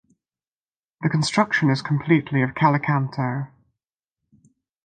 The construction is completely of calicanto.